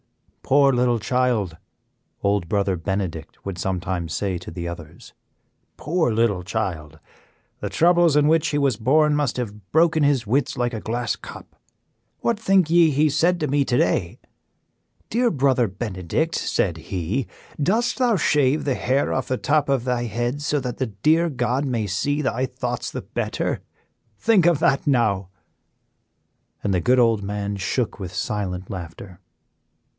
"Poor little child!" Old Brother Benedict would sometimes say to the others, "poor little child! The troubles in which he was born must have broken his wits like a glass cup. What think ye he said to me to day? 'Dear Brother Benedict,' said he, 'dost thou shave the hair off of the top of thy head so that the dear God may see thy thoughts the better?' Think of that now!" and the good old man shook with silent laughter.